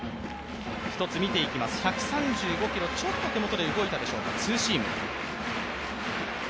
１３５キロ、ちょっと手元で動いたでしょうか、ツーシーム。